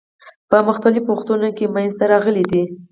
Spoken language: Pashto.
په مختلفو وختونو کې منځته راغلي دي.